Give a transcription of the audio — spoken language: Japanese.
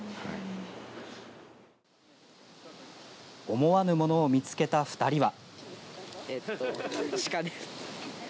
思わぬものを見つけた２人は。